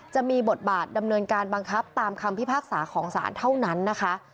จะมีบทบาทดำเนินการบังคับตามคำพิพากษาของศาลเท่านั้นนะคะ